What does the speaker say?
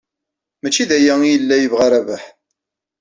Maci d aya ay yella yebɣa Rabaḥ.